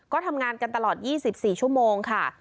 ก็ทำงานกันตลอด๒๔ชั่วโมงค่ะ